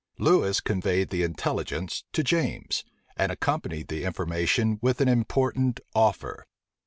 Lewis conveyed the intelligence to James, and accompanied the information with an important offer.